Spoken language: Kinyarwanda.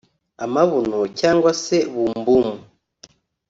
Amabuno cyangwa se "bumbum"